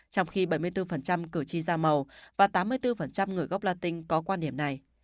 trong khi bảy mươi bốn cử tri da màu và tám mươi bốn người gốc latin có quan điểm này